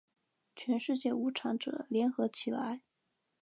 全世界无产者，联合起来！